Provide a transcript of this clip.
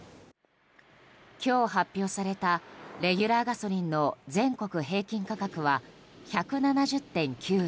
今日発表されたレギュラーガソリンの全国平均価格は１７０．９円。